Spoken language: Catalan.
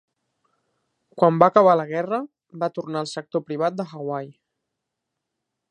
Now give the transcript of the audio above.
Quan va acabar la guerra, va tornar al sector privat de Hawaii.